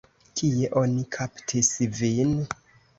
Kie oni kaptis vin?